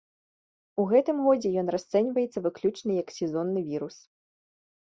У гэтым годзе ён расцэньваецца выключна як сезонны вірус.